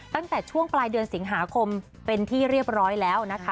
ตั้งแต่ช่วงปลายเดือนสิงหาคมเป็นที่เรียบร้อยแล้วนะคะ